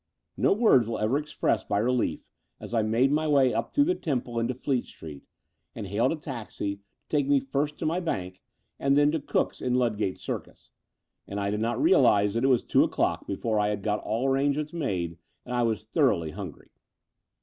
No words will ever express my relief as I made my way up through the Temple into Fleet Street, and hailed a taxi to take me first to my bank and then to Cook's in Ludgate Circus; and I did not realize that it was two o'clock before I had got all arrangements made, and I was thoroughly hungry.